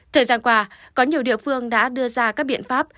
thời gian qua có nhiều địa phương đã đưa ra các biện pháp